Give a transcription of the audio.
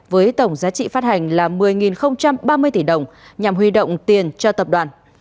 với tổng giá trị phát hành là một mươi ba mươi tỷ đồng nhằm huy động tiền cho tập đoàn